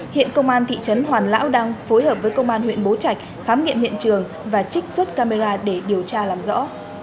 hiện công an thị trấn hoàn lão đang phối hợp với công an huyện bố trạch khám nghiệm hiện trường và trích xuất camera để điều tra làm rõ